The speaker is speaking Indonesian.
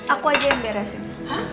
aku aja yang beresin